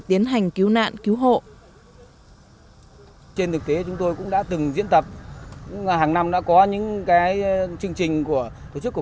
tiến hành cứu nạn cứu hộ